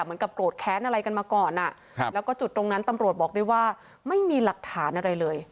เหมือนกับโปรดแค้นอะไรกันมาก่อนอ่ะแล้วก็จุดตรงนั้นตำรวจบอกได้ว่าไม่มีหลักฐานอะไรเลย